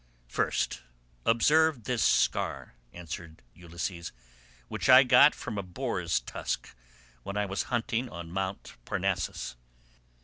"First observe this scar," answered Ulysses, "which I got from a boar's tusk when I was hunting on Mt. Parnassus.